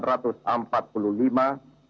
atas nama bangsa indonesia